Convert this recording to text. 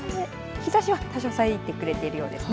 日ざしは多少遮ってくれているようですね。